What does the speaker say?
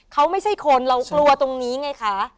เขาไม่ใช่คนเรากลัวตรงนี้ไงคะ